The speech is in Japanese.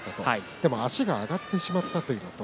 でも足が上がってしまったということ。